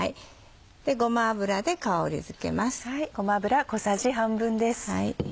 ごま油で香りづけます。